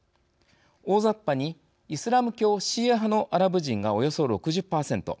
大ざっぱにイスラム教シーア派のアラブ人がおよそ６０％。